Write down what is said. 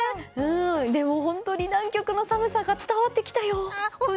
本当に南極の寒さが伝わってきたよ！